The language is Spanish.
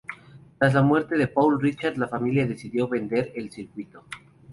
Tras la muerte de Paul Ricard, la familia decidió vender el circuito.